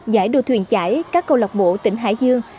giải đồ thuyền chải các câu lọc bộ tỉnh hải dương